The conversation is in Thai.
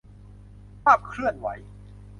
ภาพเคลื่อนไหว